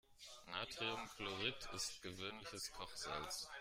Natriumchlorid ist gewöhnliches Kochsalz.